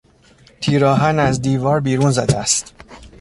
تیرآهن از دیوار بیرون زده است.